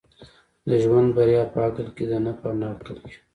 د ژوند بريا په عقل کي ده، نه په نقل کي.